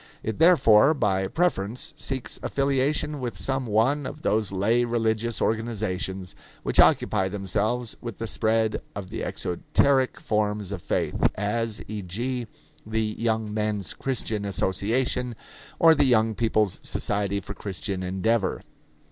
It therefore by preference seeks affiliation with some one of those lay religious organizations which occupy themselves with the spread of the exoteric forms of faith as, e.g., the Young Men's Christian Association or the Young People's Society for Christian Endeavor.